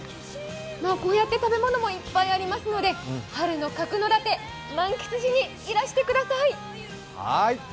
こうやって食べ物もいっぱいありますので、春の角館、満喫しにいらしてください。